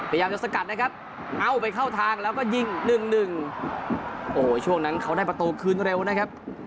เอ้าไปเข้าทางแล้วก็ยิงตายหนึ่งะช่วงนั้นเขาได้ประโตขึ้นเร็วนะครับ